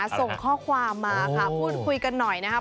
ส่งข้อความมาค่ะพูดคุยกันหน่อยนะครับ